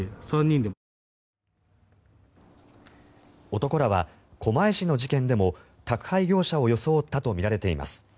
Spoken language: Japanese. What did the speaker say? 男らは狛江市の事件でも宅配業者を装ったとみられています。